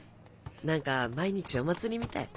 何か毎日お祭りみたい